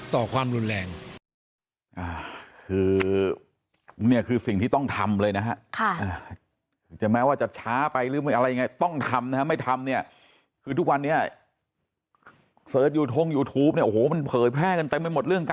ต่อความรุนแรง